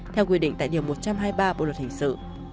theo quy định tại điều một trăm hai mươi ba bộ luật hình sự